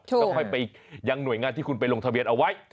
จับเข้ายังหน่วยงานที่คุณไปลงทะเบียนเอาไว้